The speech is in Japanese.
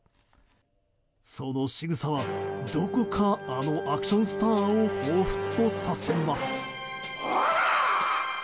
そのしぐさはどこかあのアクションスターをほうふつとさせます。